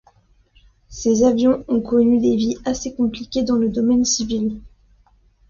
Ces avions ont connu des vies assez compliquées dans le domaine civil.